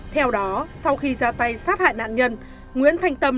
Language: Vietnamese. theo đó sau khi ra tay sát hại nạn nhân